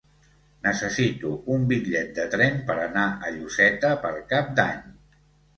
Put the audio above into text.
Necessito un bitllet de tren per anar a Lloseta per Cap d'Any.